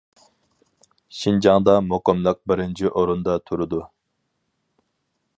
شىنجاڭدا مۇقىملىق بىرىنچى ئورۇندا تۇرىدۇ.